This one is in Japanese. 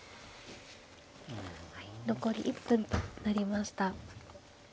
はい残り１分となりました。